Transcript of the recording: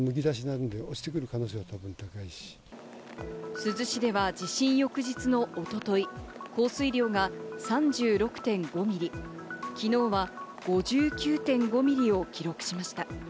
珠洲市では地震翌日の一昨日、降水量が３６．５ミリ、昨日は５９．５ミリを記録しました。